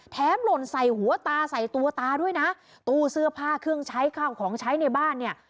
หล่นใส่หัวตาใส่ตัวตาด้วยนะตู้เสื้อผ้าเครื่องใช้ข้าวของใช้ในบ้านเนี่ย